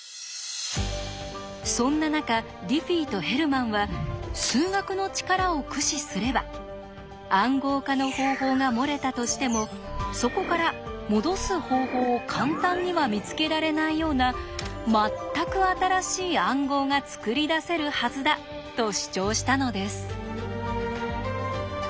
そんな中ディフィーとヘルマンは数学の力を駆使すれば「暗号化の方法」が漏れたとしてもそこから「もどす方法」を簡単には見つけられないような全く新しい暗号が作り出せるはずだ！と主張したのです。